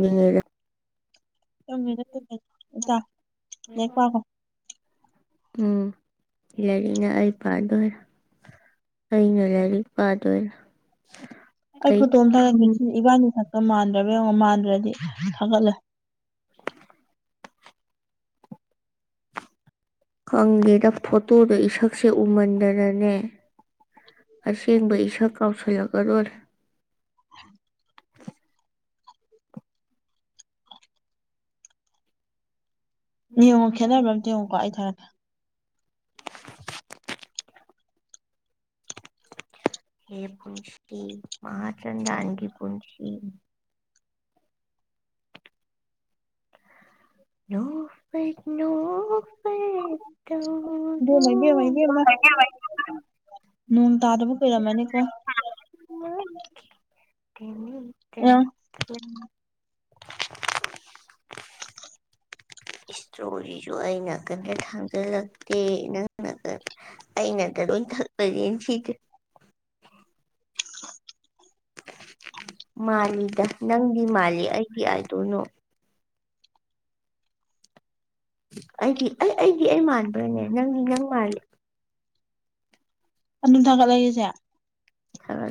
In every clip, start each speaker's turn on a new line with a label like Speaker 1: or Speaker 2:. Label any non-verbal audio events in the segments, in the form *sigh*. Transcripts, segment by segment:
Speaker 1: ꯃꯅꯦꯒ *inaudible*
Speaker 2: ꯪ ꯂꯦꯛ ꯄꯀꯣ *inaudible*
Speaker 1: ꯎꯝ ꯂꯥꯢꯔꯤꯛꯅ ꯑꯩ ꯄꯥꯗꯣꯔꯦ ꯑꯩꯅ ꯂꯥꯢꯔꯤꯛ ꯄꯥꯗꯣꯢꯔ
Speaker 2: ꯑꯩ ꯐꯣꯇꯣ ꯑꯃ ꯊꯥꯔꯛꯀꯦ ꯏꯕꯥꯅꯤ ꯈꯛꯇ ꯃꯥꯟꯗ꯭ꯔꯕ ꯌꯦꯡꯉꯣ ꯃꯥꯟꯗ꯭ꯔꯗꯤ ꯊꯥꯒꯠꯂꯦ
Speaker 1: ꯈꯪꯗꯦꯗ ꯐꯣꯇꯣꯗꯣ ꯏꯁꯛꯁꯦ ꯎꯃꯟꯗꯅꯅꯦ ꯑꯁꯦꯡꯕ ꯏꯁꯛ ꯀꯥꯎꯁꯤꯜꯂꯛꯒꯗꯧꯔꯦ
Speaker 2: ꯎ *inaudible* ꯌꯦꯡꯉꯣ ꯈꯦꯠꯅꯕ꯭ꯔꯥ ꯑꯝꯇ ꯌꯦꯡꯉꯣ ꯒꯣ ꯑꯩ ꯊꯥꯔꯛꯒꯦ
Speaker 1: ꯍꯦ ꯄꯨꯟꯁꯤ ꯃꯥꯍꯤꯆꯥꯟꯗꯥꯜꯒꯤ ꯄꯨꯟꯁꯤ ꯄꯅꯨ *inaudible* ꯐꯦ
Speaker 2: ꯏꯕꯦꯝꯃ
Speaker 1: ꯇꯗꯨꯣ
Speaker 2: ꯏꯕꯦꯝꯃ ꯏꯕꯦꯝꯃ
Speaker 1: *inaudible*
Speaker 2: ꯅꯣꯡ ꯇꯥꯗꯕꯨ ꯀꯩꯔꯝꯃꯅꯤꯀꯣ
Speaker 1: ꯎꯝ *inaudible*
Speaker 2: ꯑ
Speaker 1: ꯏꯁꯇ꯭ꯔꯣꯔꯤꯁꯨ ꯑ ꯅꯥ ꯀꯟꯇ ꯊꯥꯡꯖꯜꯂꯛꯇꯦ ꯅꯪ ꯑꯩꯅꯗ ꯂꯣꯏ ꯊꯄꯁꯅ ꯁꯤꯗꯦ ꯃꯥꯜꯂꯤꯗ ꯅꯪꯗꯤ ꯃꯥꯜꯂꯤ ꯑꯩꯗꯤ ꯑꯗꯣꯏꯅꯣ ꯑꯩꯗꯤ ꯑꯩ ꯑꯩꯗꯤ ꯑꯩ ꯃꯥꯟꯕ꯭ꯔꯅꯦ ꯅꯪꯗꯤ ꯅꯪ ꯃꯥꯜꯂꯤ
Speaker 2: ꯑꯗꯨꯝ ꯊꯥꯒꯠꯂꯛꯏꯁꯦ
Speaker 1: ꯈꯔ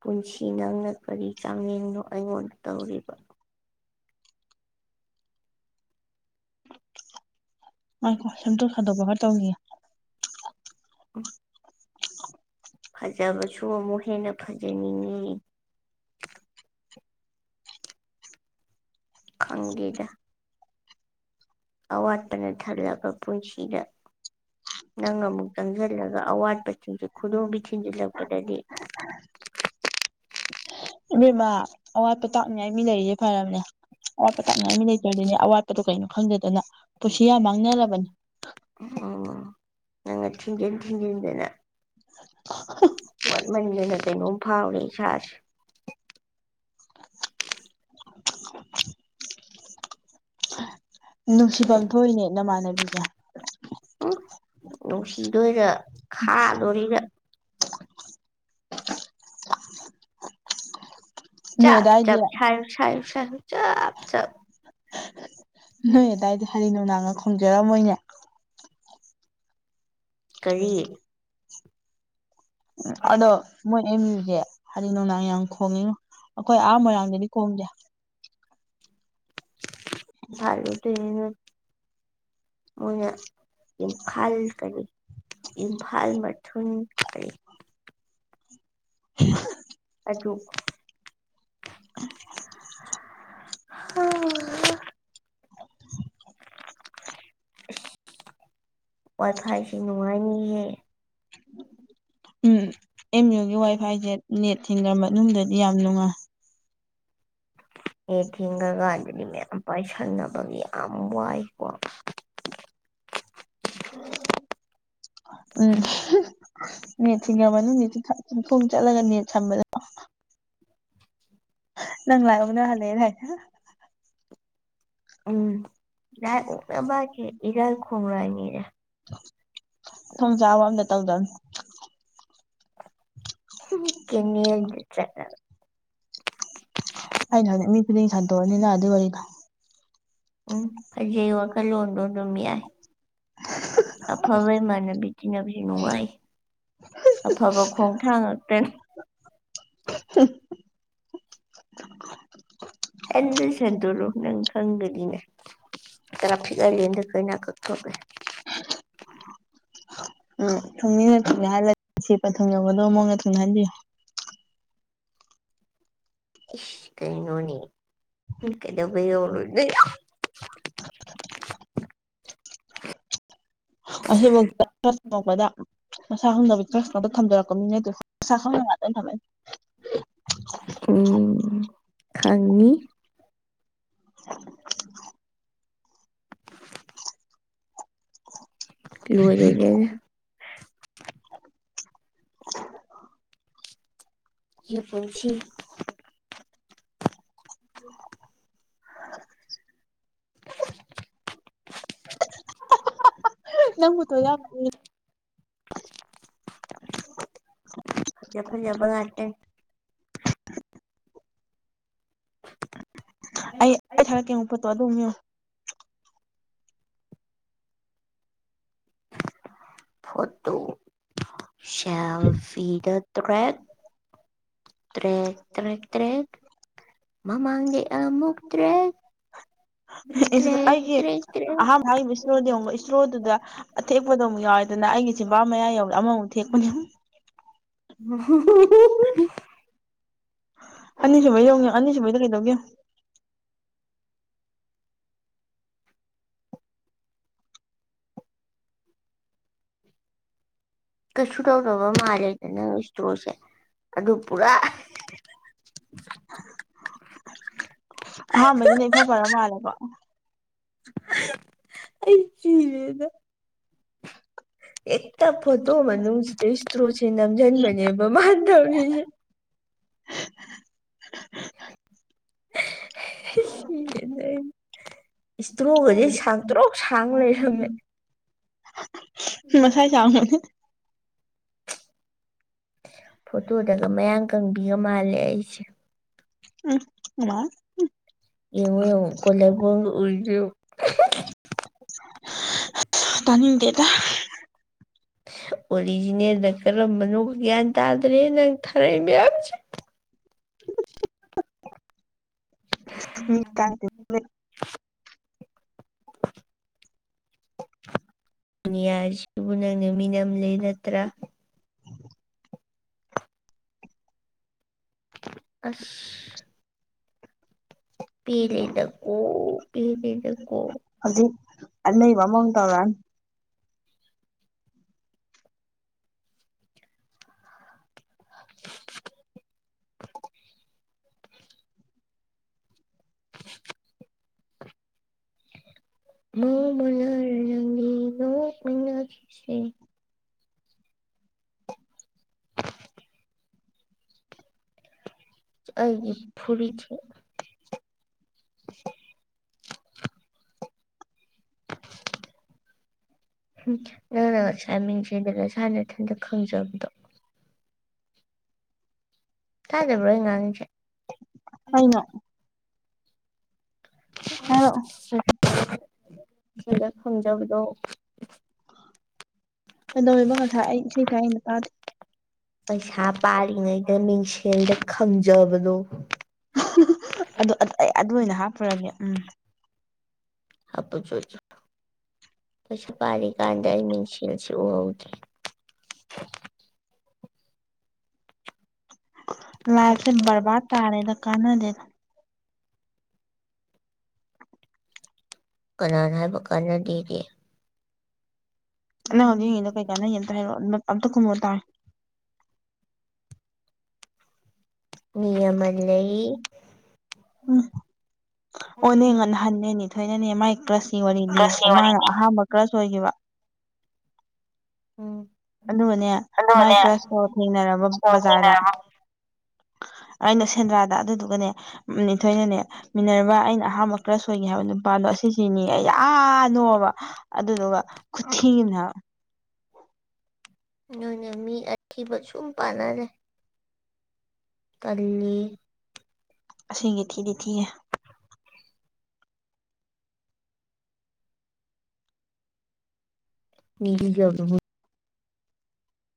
Speaker 1: ꯄꯨꯟꯁꯤ ꯅꯪꯅ ꯀꯔꯤ ꯆꯥꯌꯦꯡꯅꯣ ꯑꯩꯉꯣꯟꯗ ꯇꯧꯔꯤꯕ
Speaker 2: ꯍꯣꯏ ꯀꯣꯏ ꯁꯦꯝꯗꯣꯛ ꯁꯥꯥꯗꯣꯛꯄꯒ ꯇꯧꯒꯦ
Speaker 1: ꯎꯝ ꯐꯖꯕꯁꯨ ꯑꯃꯨꯛ ꯍꯦꯟꯅ ꯐꯖꯅꯤꯡꯉꯤ ꯈꯪꯒꯦꯒ ꯑꯧ ꯋꯥ ꯇꯉꯥꯏ ꯈꯦ ꯄꯨꯟꯁꯤꯗ ꯅꯪ ꯑꯃꯨꯛ ꯆꯪꯁꯤꯜꯂꯒ ꯑꯋꯥꯠꯄꯁꯤꯡꯤꯡ ꯈꯨꯗꯣꯝꯕꯤ ꯊꯤꯟꯖꯤꯜꯂꯛꯄꯗꯗꯤ
Speaker 2: ꯏꯕꯦꯝꯃꯥ ꯑꯋꯥꯠꯄꯣ ꯇꯥꯛꯅꯤꯉꯥꯏ ꯃꯤ ꯂꯩꯔꯤꯁꯦ ꯐꯔꯕꯅꯦ ꯑꯋꯥꯠꯄ ꯇꯥꯛꯅꯤꯡꯉꯥꯏ ꯃꯤ ꯂꯩꯖꯔꯤꯅꯦ ꯑꯋꯥꯠꯄꯗꯨꯣ ꯀꯩꯅꯣ ꯈꯪꯗꯦꯗꯅ ꯄꯨꯟꯁꯤ ꯌꯥꯝ ꯃꯥꯡꯅꯔꯕꯅꯤ
Speaker 1: ꯑꯣ ꯅꯪ ꯊꯤꯟꯖꯤꯟ ꯊꯤꯟꯖꯟꯗꯦꯅ ꯃꯠꯃꯟꯗꯅ ꯀꯩꯅꯣꯝ ꯐꯥꯎꯔꯦ ꯏꯁꯥꯁꯦ
Speaker 2: ꯅꯨꯡꯁꯤꯐꯝ ꯊꯣꯛꯏꯅꯦ ꯅꯃꯥꯟꯅꯕꯤꯅꯦ
Speaker 1: ꯎ ꯅꯨꯡꯁꯤꯗꯣꯔ ꯈꯥꯗꯣꯔꯤꯔ
Speaker 2: ꯅꯣꯏ
Speaker 1: ꯆꯞ
Speaker 2: ꯑꯗꯥꯏꯗꯤ
Speaker 1: ꯆꯞ ꯁ ꯁꯌ ꯁꯌ ꯆꯞ ꯆ
Speaker 2: ꯅꯣꯏ ꯑꯗꯨꯗꯥꯏꯗꯤ ꯍꯔꯤ ꯅꯨꯡꯗꯥꯡꯅ ꯈꯣꯡꯖꯔꯝꯃꯣꯏꯅꯦ
Speaker 1: ꯀꯔꯤ
Speaker 2: ꯎ ꯑꯗꯣ ꯃꯣꯏ ꯑꯦꯝ ꯌꯨꯁꯦ ꯍꯥꯏꯗꯤ ꯅꯨꯡꯗꯥꯡ ꯌꯥꯝ ꯈꯣꯡꯉꯤꯉꯣ ꯑꯩꯈꯣꯏ ꯑꯍꯥ ꯃꯣꯏꯔꯥꯡꯗꯗꯤ ꯀꯝꯗ
Speaker 1: ꯏꯕ ꯇ
Speaker 2: ꯑꯣ
Speaker 1: ꯏꯝꯐꯥꯜ ꯀꯔꯤ ꯏꯝꯐꯥꯜ ꯃꯊꯟ ꯀꯔꯤ
Speaker 2: ꯍ
Speaker 1: ꯑꯗꯨ *inaudible* ꯋꯥꯏ
Speaker 2: ꯑ
Speaker 1: ꯐꯥꯏꯁꯦ ꯅꯨꯡꯉꯥꯏꯅꯤꯍꯦ
Speaker 2: ꯎꯝ ꯑꯦꯝ ꯌꯨꯒꯤ ꯋꯥꯏ
Speaker 1: ꯅꯦꯠ
Speaker 2: ꯐꯥꯏꯁꯦ ꯅꯦꯠ ꯊꯤꯡꯅꯝꯕ ꯃꯅꯨꯡꯗꯗꯗꯤ ꯌꯥꯝ ꯅꯨꯡꯉꯥꯏ
Speaker 1: ꯍ ꯊꯦꯡꯉꯀꯥꯟꯗꯗꯤ ꯃꯌꯥꯝ ꯄꯥꯏꯁꯟꯅꯅꯕꯒꯤ ꯌꯥꯝ ꯋꯥꯏꯀꯣ *inaudible*
Speaker 2: ꯎꯝ ꯅꯦꯠ ꯊꯤꯡꯉꯕꯅ ꯆꯤꯡꯈꯣꯡ ꯆꯠꯂꯒ ꯅꯦꯠ ꯁꯝꯕꯗ ꯅꯪ ꯂꯥꯛꯌꯡꯅ ꯍꯂꯦ ꯍꯥꯏꯅ
Speaker 1: ꯎꯝ ꯌꯥ ꯎ ꯃꯥꯦ ꯏꯔ ꯈꯣꯡꯔꯅꯤꯔꯦ ꯑꯣ
Speaker 2: ꯌꯥꯕ ꯑꯃ ꯅ ꯇꯧꯗ
Speaker 1: ꯀꯅꯤ ꯆ
Speaker 2: ꯑꯩꯅꯅꯤ ꯃꯤꯕꯨꯗꯤ ꯁꯟꯗꯣꯛꯑꯅꯤ ꯂ ꯑꯗꯨ ꯋꯥꯔꯤꯗ
Speaker 1: ꯎꯝ ꯐꯖꯩ ꯋꯥꯈꯜꯂꯣꯟꯗꯣ ꯑꯗꯨꯝ ꯌꯥꯏ ꯑꯐꯕꯏ ꯃꯥꯅ ꯕꯤꯖꯤ ꯅꯕꯤꯔꯤ ꯅꯅꯨꯡ ꯋꯥꯏ ꯑꯐꯕ ꯈꯣꯡꯊꯥꯡ ꯉꯥꯛꯛꯇꯅꯤ
Speaker 2: *inaudible* *inaudible*
Speaker 1: ꯍꯦꯟꯗ ꯁꯟꯗꯔꯣ ꯅꯪ ꯈꯪꯒꯅꯤꯅꯦ ꯈꯔꯥ ꯊꯤꯒꯂꯗ ꯑꯩꯅ ꯀꯛꯊꯣꯛꯔꯦ
Speaker 2: ꯎꯝ ꯊꯃꯤ ꯍ ꯌꯥ ꯅꯨꯡꯁꯤ ꯄꯟꯊꯨꯡ ꯌꯧꯒꯗꯧꯕ ꯃꯑꯣꯡꯗ ꯊꯨꯡꯅ ꯍꯟꯕꯤꯌꯨ
Speaker 1: ꯏꯁ ꯀꯅꯣꯅꯤ ꯏ ꯀꯩꯗꯕ ꯌꯧꯔꫭꯏꯗꫭꯏꯅꯨ
Speaker 2: *unintelligible* ꯑꯁꯤꯐꯧꯄꯗ ꯃꯁꯥ ꯈꯪꯗꯕ ꯑꯗ ꯊꯝꯖꯔꯛꯄꯅꯤꯅꯦ ꯑꯗꯨ ꯈ ꯊꯝ
Speaker 1: ꯎꯝ ꯈꯪꯅꯤ
Speaker 2: *unintelligible*
Speaker 1: ꯂꯣꯏꯔꯦꯅꯦꯅꯦ ꯍ ꯄꯨꯟꯁꯤ
Speaker 2: *unintelligible*
Speaker 1: *unintelligible*
Speaker 2: *unintelligible*
Speaker 1: *unintelligible*
Speaker 2: ꯑꯩ ꯑꯩ ꯊꯔꯛꯀꯦꯉꯨꯛ ꯄꯣꯠꯇꯣ ꯑꯗꯨꯣ
Speaker 1: ꯐꯇꯣ ꯁꯥꯝꯐꯤꯗ ꯊ꯭ꯔ ꯇ꯭ꯔꯦ ꯇ꯭ꯔꯦ ꯇ꯭ꯔꯦꯛꯠ ꯃꯃꯥꯡꯒꯤ ꯑꯃꯨꯛ ꯇ꯭ꯔꯦꯛ ꯇ꯭ꯔꯦꯛ
Speaker 2: ꯑꯩꯒꯤ
Speaker 1: ꯇ꯭ꯔꯦꯛ ꯇ꯭ꯔꯦꯛ
Speaker 2: ꯑꯍꯥꯟꯕ ꯍꯥꯏꯔꯤꯕ ꯏꯁꯣꯔꯣꯗ ꯌꯦꯡꯕ ꯏꯁꯣꯔꯣꯗꯨꯗ ꯑꯊꯦꯛꯄꯗ ꯑꯃꯨꯛ ꯌꯥꯎꯋꯦꯗꯅ ꯑꯩꯒꯤ ꯆꯤꯟꯝꯕꯥ ꯃꯌꯥ ꯌꯧꯔꯦ ꯑꯃꯃꯨꯛ ꯊꯦꯛꯄꯅꯦ
Speaker 1: ꯍꯨꯝ ꯍꯨꯝ
Speaker 2: ꯑꯅꯤ ꯁꯃꯕꯩ ꯌꯧꯅꯤꯦ ꯑꯅꯤꯁꯨꯕꯩ ꯀꯩꯗꯧꯒꯦ
Speaker 1: ꯀꯩꯁꯨ ꯇꯧꯗꯕ ꯃꯥꯜꯜꯂꯤꯂꯦꯗꯅꯪ ꯏꯁꯇ꯭ꯔꯣꯁꯦ ꯑꯗꯨ ꯄꯨꯔꯥ
Speaker 2: ꯑꯍꯥꯟꯕꯗꯨꯅ ꯏꯐ ꯐꯔ ꯃꯥꯜꯂꯦꯕ
Speaker 1: ꯑꯩ ꯁꯤꯔꯦꯗ ꯑꯦ ꯇ ꯐꯣꯠꯇ ꯃꯅ ꯏꯁꯇ꯭ꯔꯣꯁꯤꯅ ꯌꯥꯝꯝ ꯟꯃꯅꯤꯕ ꯃꯥꯥꯟꯙꯧꯅꯤ ꯁꯤ ꯂꯩ ꯏꯁꯇ꯭ꯔꯣꯒꯁ ꯁꯥꯟꯇ꯭ꯔꯣꯛ ꯁꯥꯡꯅ ꯂꯩꯔꯝꯃꯦ
Speaker 2: ꯃꯁꯥꯏ ꯆꯥꯎ ꯕꯅꯤ
Speaker 1: ꯐꯣꯇꯣꯗꯒ ꯃꯌꯥ ꯀꯪꯕꯤꯒ ꯃꯥꯜꯂꯦ ꯑꯩꯁꯦ
Speaker 2: ꯎꯝ ꯃꯥꯟ ꯍꯝ
Speaker 1: ꯌꯦꯉ ꯌꯦꯉ ꯀꯂꯕꯣꯟꯒ ꯎꯨꯔꯤꯗ ꯌꯦꯡꯉꯣ
Speaker 2: ꯇꯥꯅꯤꯡꯗꯦꯗ
Speaker 1: ꯑꯣꯔꯤꯖꯤꯅꯦꯜꯗ ꯀꯔꯝꯕꯅꯣ ꯒ꯭ꯌꯥꯟ ꯇꯥꯗ꯭ꯔꯦ ꯅꯪ ꯊꯥꯔꯛꯏ ꯃꯌꯥꯝꯁ *unintelligible* ꯅꯤꯌꯥꯁꯤꯕꯨ ꯅꯪꯅ ꯃꯤꯅꯝꯂꯦ ꯅꯠꯇ꯭ꯔꯥ ꯑꯁ ꯄꯦꯜꯂꯦꯗꯀꯣ ꯄꯦꯜꯂꯦꯗꯀꯣ
Speaker 2: ꯍꯧꯖꯤꯛ ꯑꯅꯥꯏꯕ ꯑꯃꯃꯥꯛ ꯇꯣꯏꯔꯥꯛ ꯑꯅꯤ
Speaker 1: *unintelligible* ꯃꯃꯥꯜ ꯁꯤ ꯑꯩꯒꯤ ꯐꯨꯔꯤꯠ ꯉꯁꯃꯤ ꯀꯦꯟꯗꯅꯁ ꯍꯅ ꯏꯊꯟꯇꯛ ꯈꯪꯖꯕꯗꯣ ꯀꯥꯏꯗꯦꯕ꯭ꯔꯣ ꯑꯩ ꯉꯥꯡꯁꯦ
Speaker 2: ꯀꯩꯅꯣ ꯍꯥꯏꯔꯛꯑꯣ
Speaker 1: ꯁꯤꯂ ꯈꯪꯖꯕꯗꯣ
Speaker 2: ꯀꯗꯧ ꯏꯕ ꯉꯁꯥꯏ ꯑꯩ ꯏꯁꯩ ꯀꯥꯏ ꯑꯩꯅ ꯄꯥꯗꯦ
Speaker 1: ꯄꯩꯁꯥ ꯄꯥꯔꯤꯉꯩꯗ ꯃꯤꯡꯁꯦꯜꯗ ꯈꯪꯖꯕꯗꯣ
Speaker 2: ꯑꯗꯨ ꯑꯩ ꯑꯗꯨ ꯑꯣꯏꯅ ꯍꯥꯞꯄꯨꯔꯒ ꯎꯝ
Speaker 1: ꯍꯥꯄ ꯆꯗ ꯄ ꯄꯔꯤ ꯀꯥꯟꯗꯥꯔ ꯃꯤꯁꯦꯜ ꯁꯤ ꯑ ꯊꯥꯏ
Speaker 2: ꯂꯥꯏꯐꯁꯦ ꯔꯕꯥꯗ ꯇꯥꯔꯦꯗ ꯀꯥꯅꯥ ꯗꯦꯗ
Speaker 1: ꯀꯅꯥꯅ ꯍꯥꯏꯕ ꯀꯥꯟꯅꯗꯒꯦ
Speaker 2: ꯅꯪ ꯌꯦꯉꯗꯣ ꯀꯩꯀꯥꯟꯅ ꯌꯦ ꯍꯥꯏꯔ ꯑꯝꯇ ꯀꯨꯝꯃ ꯇꯥꯏ
Speaker 1: ꯃꯤ ꯑꯃ ꯂꯩ꯫
Speaker 2: ꯎꯝ ꯑꯣꯅꯦ
Speaker 1: ꯎꯝ
Speaker 2: ꯉꯟꯅ ꯍꯟꯅꯦ ꯅꯦꯊꯣꯏꯅꯅꯦ ꯃꯥꯏ ꯀ꯭ꯔꯁ ꯒꯤ ꯋꯥꯔꯤ ꯂꯤꯕꯀꯣ ꯃꯥꯅ ꯑꯍꯥꯟꯕ ꯀ꯭ꯔꯁ ꯑꯣꯏꯒꯤꯕ
Speaker 1: ꯎꯝ
Speaker 2: ꯑꯗꯨꯒꯅꯦ ꯃꯥꯏ ꯀ꯭ꯔꯁꯇꯣ ꯊꯦꯡꯅꯔꯕ
Speaker 1: ꯁꯣꯔ
Speaker 2: ꯕꯖꯥꯔꯗ
Speaker 1: ꯍꯣꯏꯅꯔꯝꯃꯣ
Speaker 2: ꯑꯩꯅ ꯁꯦꯟꯗ꯭ꯔꯥꯗ ꯑꯗꯨꯗꯨꯒꯅꯦ ꯅꯦꯊꯣꯏꯅꯅꯦ ꯃꯤꯟꯅꯔꯕꯥ ꯑꯩꯅ ꯑꯍꯥꯟꯕ ꯀ꯭ꯔꯁ ꯑꯣꯏꯒꯤ ꯍꯥꯏꯕ ꯅꯨ ꯄꯥꯥꯗꯣ ꯑꯁꯤꯁꯤꯅꯤꯌꯦ ꯑꯩ ꯌꯥ ꯅꯣꯛꯑꯕ ꯑꯗꯨꯗꯨꯒ ꯈꯨꯊꯤꯝꯃꯅꯤ ꯍꯥꯏꯕ
Speaker 1: ꯅꯣꯏꯅ ꯃꯤ ꯑꯊꯤꯕ ꯁꯨꯝ ꯄꯥꯟꯅ ꯂꯩ꯫ ꯇꯜꯂꯤꯑꯦ
Speaker 2: ꯑꯁꯦꯡꯀꯤ ꯊꯤꯗꯤ ꯊꯤꯌꯦ
Speaker 1: ꯃꯤ ꯊꯤꯖꯕꯗꯨꯕꯨ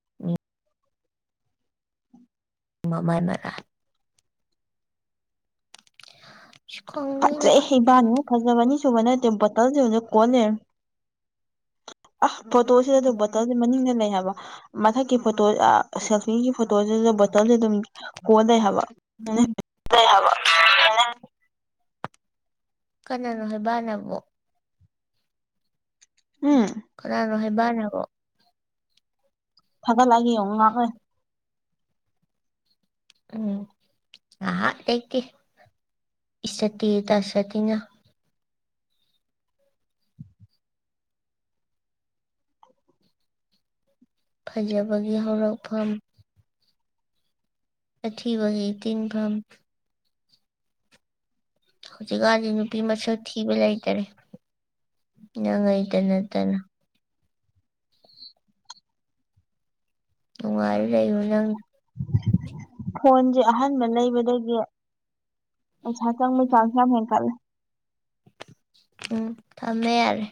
Speaker 1: *unintelligible* ꯃꯃꯥꯏꯅꯔꯥ ꯈꯪꯗꯦꯗ
Speaker 2: ꯐꯖꯩ ꯏꯕꯥꯅꯤ ꯐꯖꯕꯅꯤ ꯁꯨꯕ *unintelligible* ꯑ ꯐꯣꯇꯣꯁꯤꯗꯖꯨ ꯕꯣꯇꯜꯖꯦ ꯃꯅꯤꯡꯗ ꯂꯩ ꯍꯥꯏꯕ ꯃꯊꯛꯀꯤ ꯐꯣꯇꯣ ꯑ ꯁꯦꯜꯐꯤꯒꯤ ꯐꯣꯇꯣꯖꯤꯗ ꯕꯣꯇꯜꯖꯦ ꯑꯗꯨꯝ *unintelligible* ꯍꯥꯏꯕ *unintelligible*
Speaker 1: *unintelligible* ꯍꯥꯏꯕ ꯀꯅꯥꯅꯣ ꯍꯥꯏꯕ ꯅꯕꯨ ꯎꯝ ꯀꯅꯥꯅꯣ ꯍꯥꯏꯕ ꯅꯕꯣ
Speaker 2: ꯊꯥꯒꯠꯂꯒꯦ ꯌꯦꯡꯉꯨ ꯉꯥꯛꯂꯩ
Speaker 1: ꯎꯝ ꯉꯍꯥꯛ ꯂꯩꯇꯦ ꯏꯁꯇꯦꯇꯁ ꯑꯁꯤꯅ ꯐꯖꯕꯒꯤ ꯍꯧꯔꯛꯐꯝ ꯑꯊꯤꯕꯒꯤ ꯏꯇꯤꯟꯐꯝ ꯍꯧꯖꯤꯛꯀꯥꯟꯖꯦ ꯅꯨꯄꯤ ꯃꯁꯛ ꯊꯤꯕ ꯂꯩꯇꯔꯦ ꯅꯪꯑꯩꯇ ꯅꯠꯇꯅ ꯅꯨꯡꯉꯥꯏꯔ ꯂꯩꯌꯨ ꯅꯪ
Speaker 2: ꯐꯣꯟꯖꯦ ꯑꯍꯟꯕ ꯂꯩꯕꯗꯒꯤ ꯄꯩꯁꯥ ꯆꯪꯕꯩ ꯆꯥꯟꯁ ꯌꯥꯝ ꯍꯦꯟꯀꯠꯂꯦ
Speaker 1: ꯎꯝ ꯊꯝꯃꯦ ꯌꯥꯔꯦ